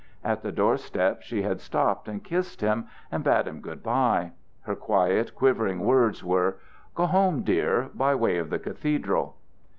At the door step she had stopped and kissed him and bade him good by. Her quiet quivering words were: "Go home, dear, by way of the cathedral."